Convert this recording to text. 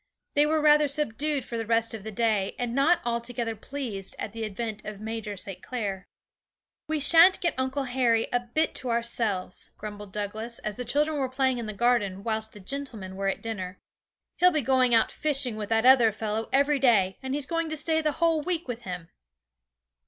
They were rather subdued for the rest of the day, and not altogether pleased at the advent of Major St. Clair. 'We shan't get Uncle Harry a bit to ourselves,' grumbled Douglas, as the children were playing in the garden whilst the gentlemen were at dinner; 'he'll be going out fishing with that other fellow every day, and he's going to stay the whole week with him.'